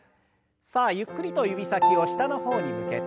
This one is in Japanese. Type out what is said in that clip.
さあゆっくりと指先を下の方に向けて。